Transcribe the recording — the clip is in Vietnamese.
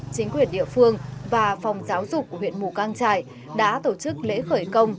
chính quyền địa phương và phòng giáo dục huyện mù căng trải đã tổ chức lễ khởi công